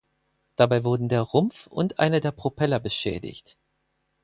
Dabei wurden der Rumpf und einer der Propeller beschädigt.